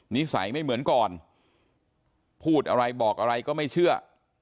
นิสัยไม่เหมือนก่อนพูดอะไรบอกอะไรก็ไม่เชื่อ